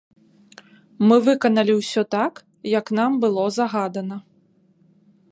Мы выканалі ўсё так, як нам было загадана.